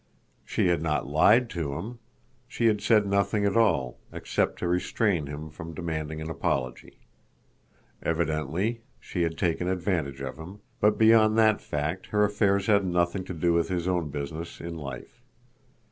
She had not lied to him. She had said nothing at all—except to restrain him from demanding an apology. Evidently she had taken advantage of him, but beyond that fact her affairs had nothing to do with his own business in life.